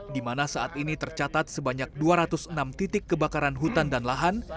di mana saat ini tercatat sebanyak dua ratus enam titik kebakaran hutan dan lahan